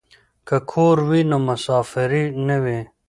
که کور وي نو مسافري نه وي.